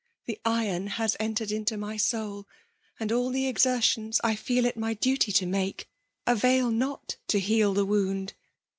The iron has entered into my soul ; and all Ae exertions I fieel it my duty to make, avail not to heal the wound.